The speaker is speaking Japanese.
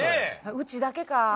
うちだけか。